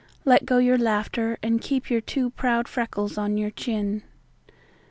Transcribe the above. Let go your laughter and keep your two proud freckles on your chin.